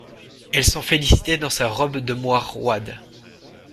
Elle s'en félicitait dans sa robe de moire roide.